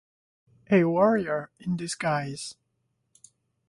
A warrior in disguise.